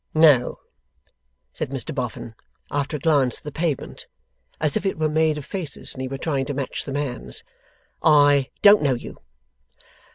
'No,' said Mr Boffin, after a glance at the pavement, as if it were made of faces and he were trying to match the man's, 'I DON'T know you.